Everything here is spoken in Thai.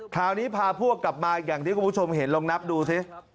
คราวนี้พาพวกกลับมาอย่างที่คุณผู้ชมเห็นลองนับดูสิ